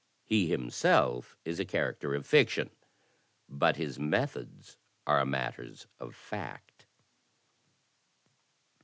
He himself is a character of fiction; but his methods are matters of fact."